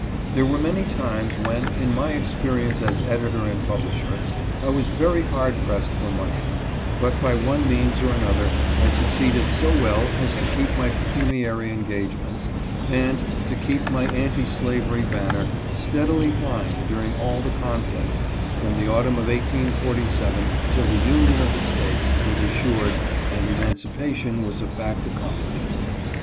There were many times when, in my expe rience as editor and publisher, I was very hard pressed for money, but by one means or another I succeeded so well as to keep my pecuniary engagements, and to keep my anti slavery banner steadily flying during all the con flict from the autumn of 1847 till the union of the States was assured and emancipation was a fact accomplished.